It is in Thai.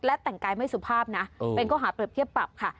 และแต่งกายไม่สุภาพนะเป็นข้อหาเปรียบเทียบปรับค่ะ